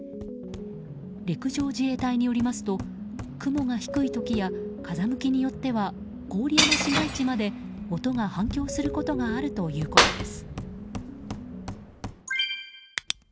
陸上自衛隊によりますと雲が低い時や風向きによっては郡山市街地まで音が反響することがあるということです。